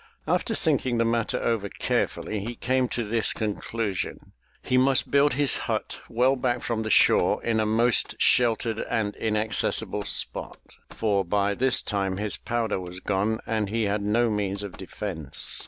After thinking the matter over carefully he came to this con clusion, — he must build his hut well back from the shore in a most sheltered and inaccessible spot, for by this time his powder was gone and he had no means of defence.